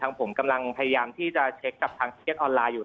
ผมกำลังพยายามที่จะเช็คกับทางสเก็ตออนไลน์อยู่